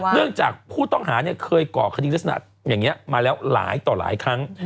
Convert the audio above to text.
เนื่องจากผู้ต้องหาเคยก่อคดีลักษณะอย่างนี้มาแล้วหลายต่อหลายครั้ง